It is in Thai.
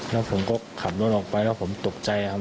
แล้วผมก็ขับรถออกไปแล้วผมตกใจครับ